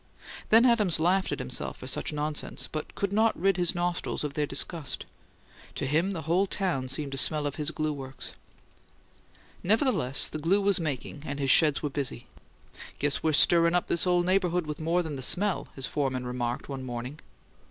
Then Adams laughed at himself for such nonsense; but could not rid his nostrils of their disgust. To him the whole town seemed to smell of his glue works. Nevertheless, the glue was making, and his sheds were busy. "Guess we're stirrin' up this ole neighbourhood with more than the smell," his foreman remarked one morning.